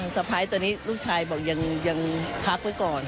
สะพ้ายตอนนี้ลูกชายบอกยังพักไว้ก่อน